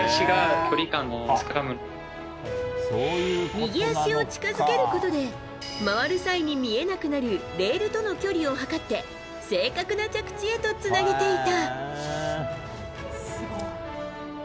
右足を近づけることで回る際に見えなくなるレールとの距離を測って正確な着地へとつなげていた。